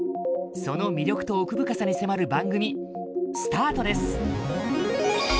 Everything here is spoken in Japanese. その魅力と奥深さに迫る番組スタートです。